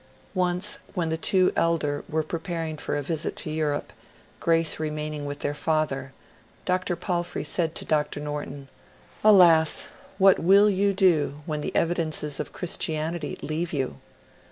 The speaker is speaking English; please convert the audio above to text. Once when the two elder were preparing for a visit to Europe, Grace remaining with their father. Dr. Palfrey said to Dr. Norton, " Alas, what will you do when the Evidences of Christianity leave you